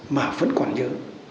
mà vẫn còn nhớ